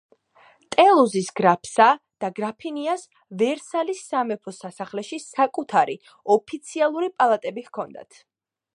ტულუზის გრაფსა და გრაფინიას ვერსალის სამეფო სასახლეში საკუთარი ოფიციალური პალატები ჰქონდათ.